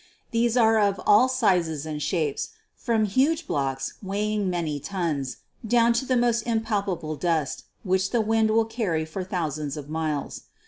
These are of all sizes and shapes, from huge blocks weighing many tons, down to the most impalpable dust, which the wind will carry for thousands of miles.